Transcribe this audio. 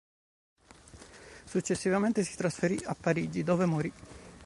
Successivamente si trasferì a Parigi dove morì.